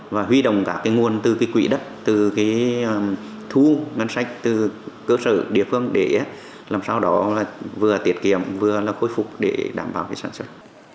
và huy động cả cái nguồn từ quỹ đất từ cái thu ngân sách từ cơ sở địa phương để làm sao đó là vừa tiết kiệm vừa là khôi phục để đảm bảo sản xuất